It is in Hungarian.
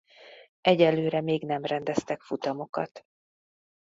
Egyelőre még nem rendeztek futamokat